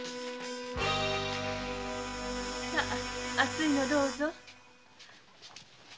さ熱いのをどうぞ。